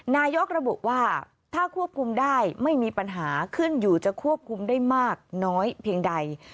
นายกระบุว่าถ้าควบคุมได้ไม่มีปัญหาขึ้นอยู่จะควบคุมได้มากน้อยเพียงใด